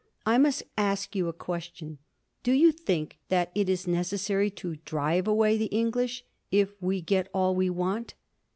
I must ask you a question. Do you think that it is necessary to drive away the English, if we get all we want?